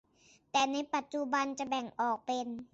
แต่ในปัจจุบันจะแบ่งออกเป็น